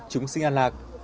chúng sinh an lạc